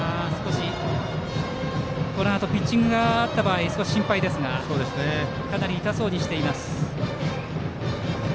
このあとピッチングがあった場合少し心配ですがかなり痛そうにしています。